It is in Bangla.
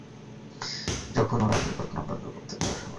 যখন ওরা পরিকল্পনা করবে, কবুতরটা সেগুলো মাথায় ঢুকিয়ে এখানে উড়ে চলে আসবে।